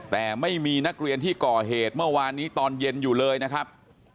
แต่ไม่มีนักเรียนที่ก่อเหตุเมื่อวานนี้ตอนเย็นอยู่เลยนะครับ